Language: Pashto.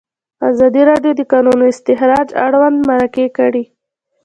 ازادي راډیو د د کانونو استخراج اړوند مرکې کړي.